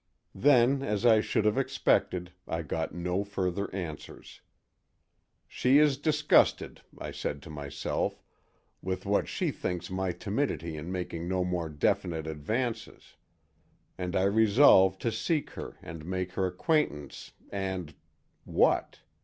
Then, as I should have expected, I got no further answers. 'She is disgusted,' I said to myself, 'with what she thinks my timidity in making no more definite advances'; and I resolved to seek her and make her acquaintance and—what?